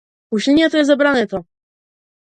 Пушењето е забрането.